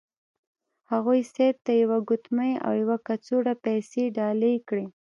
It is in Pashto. هغوی سید ته یوه ګوتمۍ او یوه کڅوړه پیسې ډالۍ کړې.